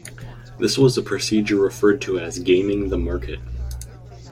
This was a procedure referred to as gaming the market.